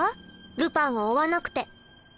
ルパンを追わなくて。